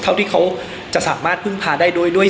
เท่าที่เขาจะสามารถพึ่งพาได้ด้วย